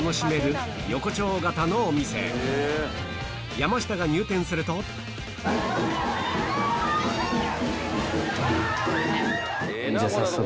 山下が入店すると早速。